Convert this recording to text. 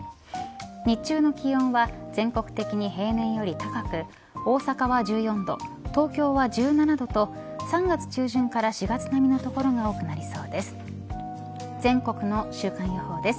日中の気温は全国的に平年より高く大阪は１４度東京は１７度と３月中旬から４月並みの所が多くなりそうです。